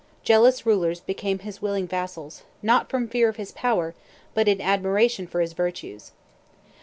Jealous rulers became his willing vassals, not from fear of his power, but in admiration for his virtues.